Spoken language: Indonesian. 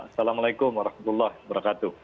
assalamualaikum warahmatullahi wabarakatuh